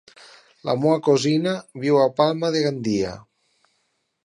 La meva cosina viu a Palma de Gandia.